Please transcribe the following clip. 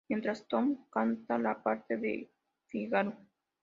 Mientras Tom canta la parte de "Figaro!